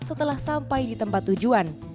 setelah sampai di tempat tujuan